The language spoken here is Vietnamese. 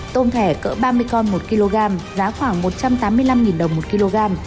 tôm thẻ cỡ ba mươi con một kg giá khoảng một trăm tám mươi năm đồng một kg